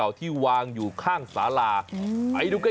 เอาล่ะเดินทางมาถึงในช่วงไฮไลท์ของตลอดกินในวันนี้แล้วนะครับ